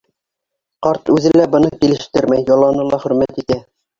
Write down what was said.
Ҡарт үҙе лә быны килештермәй, йоланы ла хөрмәт итә.